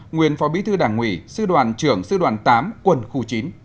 nguyên phó bí thư đảng ủy sư đoàn trưởng sư đoàn tám quân khu chín